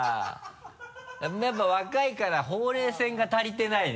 やっぱり若いからほうれい線が足りてないね。